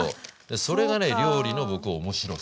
それがね料理の僕面白さ。